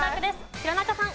弘中さん。